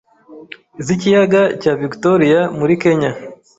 z'ikiyaga cya Victoria muri Kenya.